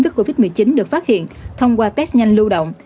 với covid một mươi chín được phát hiện thông qua test nhanh lưu động